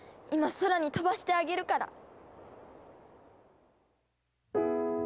今空に飛ばしてあげるから。